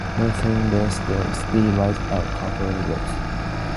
Nonetheless, the city was a complete loss.